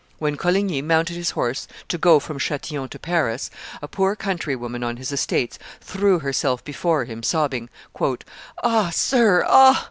When Coligny mounted his horse to go from Chatillon to Paris, a poor countrywoman on his estates threw herself before him, sobbing, "Ah! sir, ah!